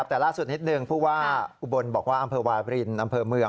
แต่ล่าสุดนิดนึงผู้ว่าอุบลบอกว่าอำเภอวาบรินอำเภอเมือง